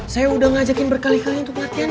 saya udah ngajakin berkali kali untuk latihan